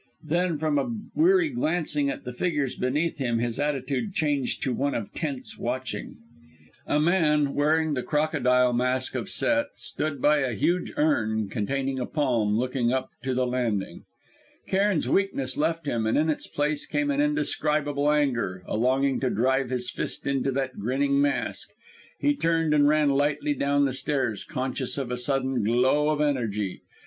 Then, from a weary glancing at the figures beneath him, his attitude changed to one of tense watching. A man, wearing the crocodile mask of Set, stood by a huge urn containing a palm, looking up to the landing! Cairn's weakness left him, and in its place came an indescribable anger, a longing to drive his fist into that grinning mask. He turned and ran lightly down the stairs, conscious of a sudden glow of energy.